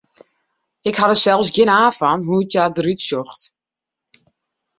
Ik ha der sels gjin aan fan hoe't hja derút sjocht.